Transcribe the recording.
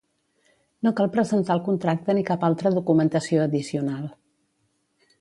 No cal presentar el contracte ni cap altra documentació addicional.